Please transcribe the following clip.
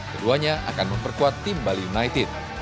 keduanya akan memperkuat tim bali united